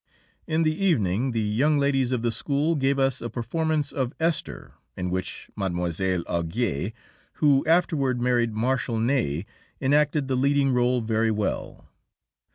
In the evening the young ladies of the school gave us a performance of "Esther," in which Mlle. Augué, who afterward married Marshal Ney, enacted the leading rôle very well.